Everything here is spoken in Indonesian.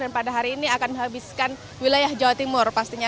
dan pada hari ini akan menghabiskan wilayah jawa timur pastinya